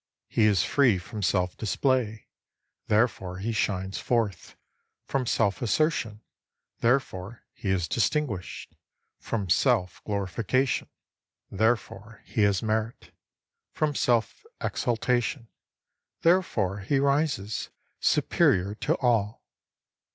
He is free from self display, therefore he shines forth ; from self assertion, therefore he is distinguished ; from self glorification, therefore he has merit; from self exaltation, therefore he rises superior to all.